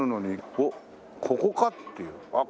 おっここか？っていうあっ